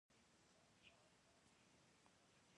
دا ټولې پیښې کیمیاوي تعاملونه دي.